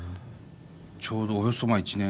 ちょうどおよそ１年？